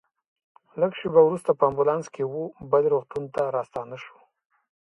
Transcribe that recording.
لږ شېبه وروسته په امبولانس کې وه بل روغتون ته راستانه شوو.